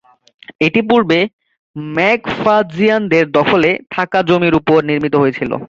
এটি পূর্বে ম্যাকফাদজিয়ানদের দখলে থাকা জমির উপর নির্মিত হয়েছিল।